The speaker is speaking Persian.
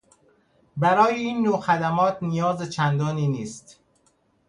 برای این نوع خدمات نیاز چندانی نیست.